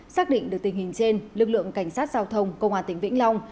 xác định được tình hình trên lực lượng cảnh sát giao thông công an tỉnh vĩnh long